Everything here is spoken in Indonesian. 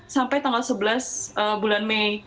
sampai tanggal sebelas bulan mei